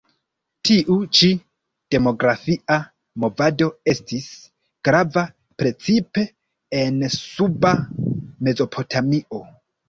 Tiu ĉi demografia movado estis grava precipe en Suba Mezopotamio.